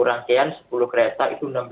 satu rangkaian sepuluh kereta itu enam belas